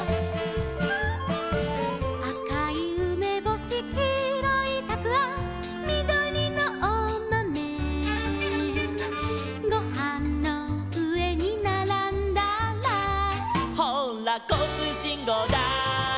「あかいうめぼし」「きいろいたくあん」「みどりのおまめ」「ごはんのうえにならんだら」「ほうらこうつうしんごうだい」